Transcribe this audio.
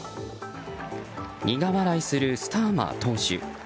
苦笑いするスターマー党首。